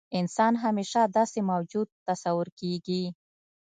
انسان همیشه داسې موجود تصور کېږي.